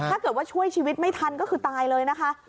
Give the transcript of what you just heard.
ถ้าเกิดว่าช่วยชีวิตไม่ทันก็คือตายเลยนะคะ